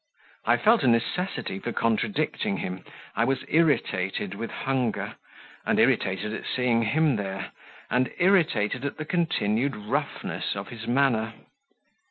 I felt a necessity for contradicting him; I was irritated with hunger, and irritated at seeing him there, and irritated at the continued roughness of his manner.